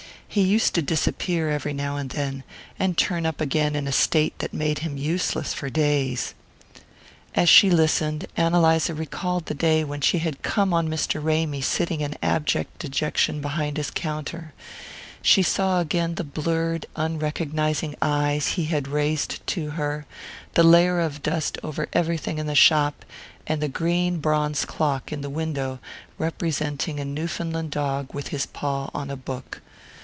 He used to disappear every now and then, and turn up again in a state that made him useless for days." As she listened, Ann Eliza recalled the day when she had come on Mr. Ramy sitting in abject dejection behind his counter. She saw again the blurred unrecognizing eyes he had raised to her, the layer of dust over everything in the shop, and the green bronze clock in the window representing a Newfoundland dog with his paw on a book.